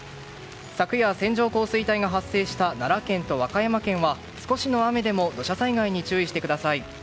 昨夜、線状降水帯が発生した奈良県と和歌山県は少しの雨でも土砂災害に注意してください。